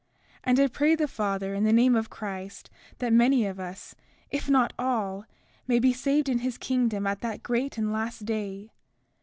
33:12 And I pray the Father in the name of Christ that many of us, if not all, may be saved in his kingdom at that great and last day.